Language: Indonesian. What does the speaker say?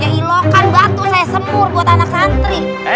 ke ilokan batu saya semur buat anak santri